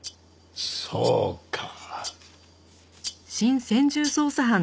そうか。